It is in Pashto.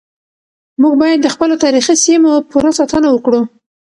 موږ بايد د خپلو تاريخي سيمو پوره ساتنه وکړو.